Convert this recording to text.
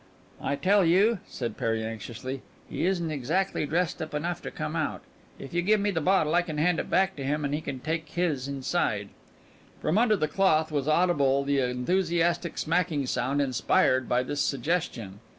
"Tell you," said Perry anxiously, "he isn't exactly dressed up enough to come out. If you give me the bottle I can hand it back to him and he can take his inside." From under the cloth was audible the enthusiastic smacking sound inspired by this suggestion.